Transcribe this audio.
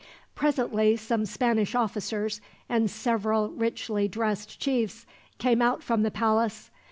Presently some Spanish officers, and several richly dressed chiefs, came out from the palace.